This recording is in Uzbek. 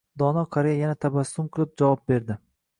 Dono qariya yana tabassum qilib javob berdi